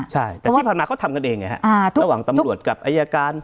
ใช่แต่ที่ผ่านมาเขาทำกันเองระหว่างตำรวจกับอายการ